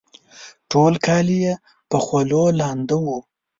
ټول کالي یې په خولو لانده وه